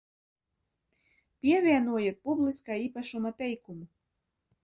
Pievienojiet publiskā īpašuma teikumu